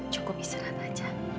cukup istirahat aja